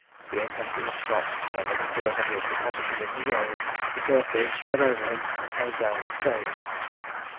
Being come to the spot, their living burden was deposited in the grave, the turf being spread over him, and held down with staves.